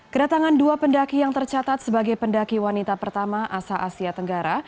kedatangan dua pendaki yang tercatat sebagai pendaki wanita pertama asal asia tenggara